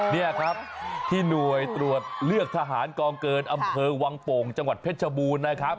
นี่ครับที่หน่วยตรวจเลือกทหารกองเกินอำเภอวังโป่งจังหวัดเพชรชบูรณ์นะครับ